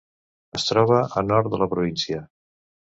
Es troba a nord de la província.